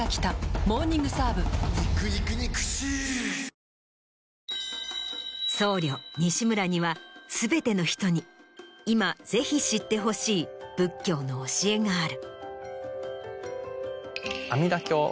コリャ僧侶西村には全ての人に今ぜひ知ってほしい仏教の教えがある。